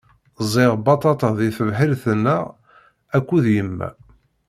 Ẓẓiɣ baṭaṭa di tebḥirt-nneɣ akked yemma.